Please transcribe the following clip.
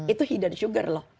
itu hidden sugar loh